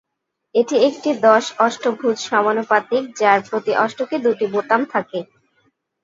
এটি একটি দশ-অষ্টভুজ সমানুপাতিক যার প্রতি অষ্টকে দুইটি বোতাম থাকে।